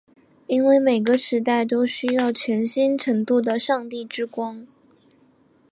因为每个时代都需要全新程度的上帝之光。